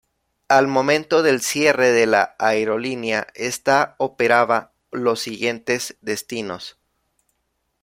Al momento del cierre de la aerolínea, esta operaba los siguientes destinos.